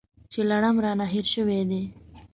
چې لړم رانه هېر شوی دی .